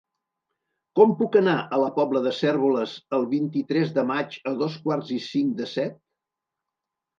Com puc anar a la Pobla de Cérvoles el vint-i-tres de maig a dos quarts i cinc de set?